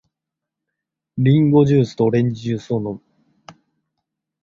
リンゴジュースとオレンジジュースを飲む。